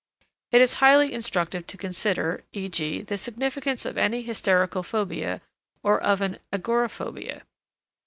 It is highly instructive to consider, e.g., the significance of any hysterical phobia or of an agoraphobia.